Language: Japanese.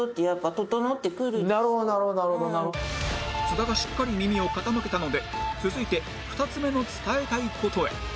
津田がしっかり耳を傾けたので続いて２つ目の伝えたい事へ